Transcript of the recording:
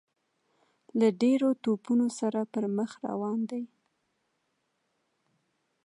له ډیرو توپونو سره پر مخ روان دی.